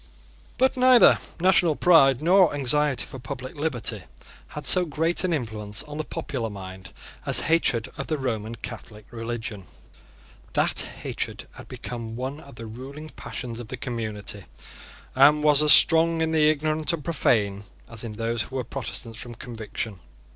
But neither national pride nor anxiety for public liberty had so great an influence on the popular mind as hatred of the Roman Catholic religion. That hatred had become one of the ruling passions of the community, and was as strong in the ignorant and profane as in those who were Protestants from conviction.